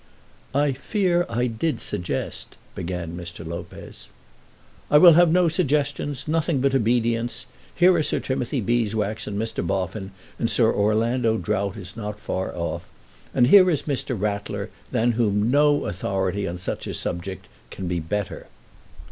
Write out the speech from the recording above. "I fear I did suggest " began Mr. Lopez. "I will have no suggestions, nothing but obedience. Here are Sir Timothy Beeswax and Mr. Boffin, and Sir Orlando Drought is not far off; and here is Mr. Rattler, than whom no authority on such a subject can be better.